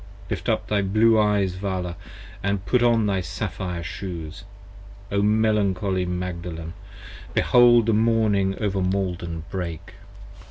Lift up thy blue eyes Vala & put on thy sapphire shoes: O melancholy Magdalen, behold the morning over Maiden break!